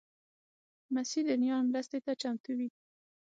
لمسی د نیا مرستې ته چمتو وي.